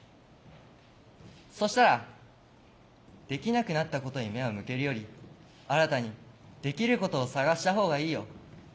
そしたら「できなくなったことに目を向けるより新たにできることを探した方がいいよ。